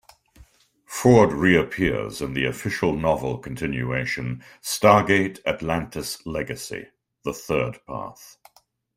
Ford reappears in the official novel continuation "Stargate Atlantis Legacy: The Third Path".